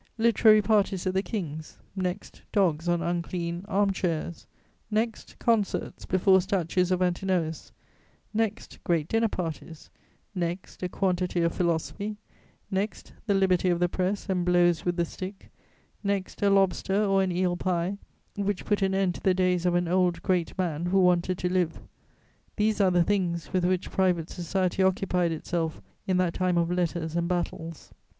Literary parties at the King's; next, dogs on unclean arm chairs; next, concerts before statues of Antinous; next, great dinner parties; next, a quantity of philosophy; next, the liberty of the press and blows with the stick; next, a lobster or an eel pie, which put an end to the days of an old great man who wanted to live: these are the things with which private society occupied itself in that time of letters and battles.